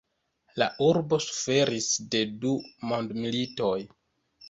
La urbo suferis de du mondmilitoj.